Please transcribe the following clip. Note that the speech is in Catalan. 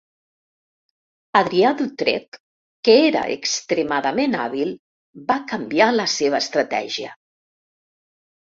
Adrià d'Utrecht, que era extremadament hàbil, va canviar la seva estratègia.